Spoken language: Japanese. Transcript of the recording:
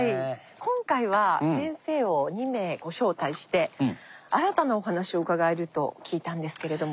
今回は先生を２名ご招待して新たなお話を伺えると聞いたんですけれども。